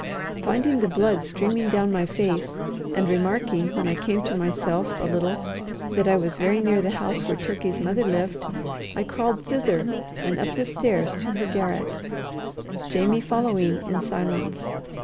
Finding the blood streaming down my face, and remarking when I came to myself a little that I was very near the house where Turkey's mother lived, I crawled thither, and up the stairs to her garret, Jamie following in silence.